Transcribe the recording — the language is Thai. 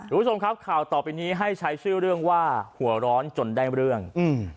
คุณผู้ชมครับข่าวต่อไปนี้ให้ใช้ชื่อเรื่องว่าหัวร้อนจนได้เรื่องอืม